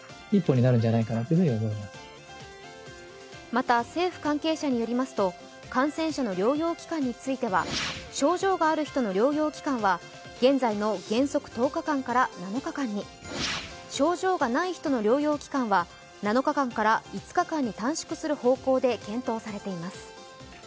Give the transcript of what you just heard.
また、政府関係者によりますと感染者の療養期間については症状がある人の療養期間は現在の原則１０日間から７日間に症状がない人の療養期間は７日間から５日間に短縮する方向で検討されています。